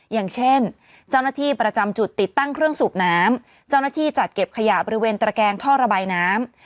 อย่างเช่นเจ้าหน้าที่ประจำจุดติดตั้งเครื่องสูบน้ำเจ้าหน้าที่จัดเก็บขยะบริเวณตระแกงท่อระบายน้ำ